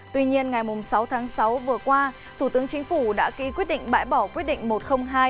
tuy nhiên ngày sáu tháng sáu vừa qua thủ tướng chính phủ đã ký quyết định bãi bỏ quyết định một trăm linh hai